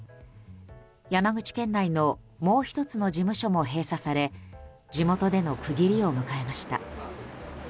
山口県内のもう１つの事務所も閉鎖され地元での区切りを迎えました。